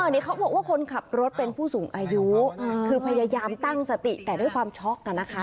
นี่เขาบอกว่าคนขับรถเป็นผู้สูงอายุคือพยายามตั้งสติแต่ด้วยความช็อกนะคะ